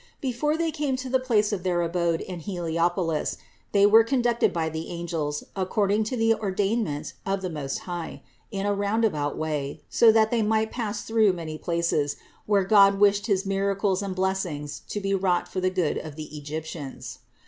Before They came to the place of their abode in Heliopolis, They were conducted by the angels, accord ing to the ordainment of the Most High, in a round about way, so that They might pass through many places, where God wished his miracles and blessings to be wrought for the good of the Egyptians.